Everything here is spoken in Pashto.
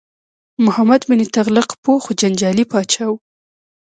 محمد بن تغلق پوه خو جنجالي پاچا و.